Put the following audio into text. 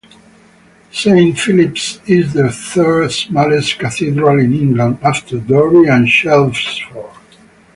Saint Philip's is the third smallest cathedral in England after Derby and Chelmsford.